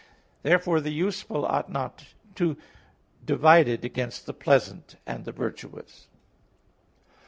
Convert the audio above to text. Therefore the useful ought not to divided against the pleasant and the virtuous.